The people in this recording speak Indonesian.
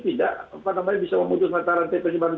tidak bisa memutuskan tarantai penyimpanan